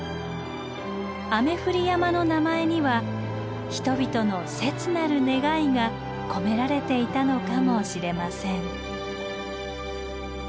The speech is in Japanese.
「雨降り山」の名前には人々の切なる願いが込められていたのかもしれません。